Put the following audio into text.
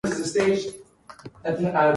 Ry.